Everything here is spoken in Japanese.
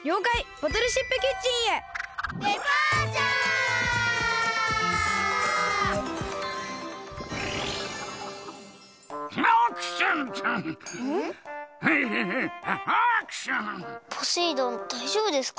ポセイ丼だいじょうぶですか？